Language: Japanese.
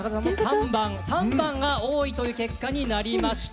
３番が多いという結果になりました。